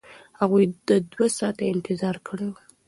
هغوی دوه ساعته انتظار کړی و.